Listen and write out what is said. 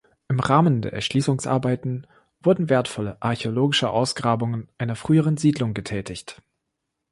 Im Rahmen der Erschließungsarbeiten wurden wertvolle archäologische Ausgrabungen einer früheren Siedlung getätigt.